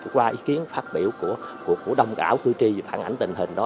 qua ý kiến phát biểu của đồng ảo cử tri phản ảnh tình hình đó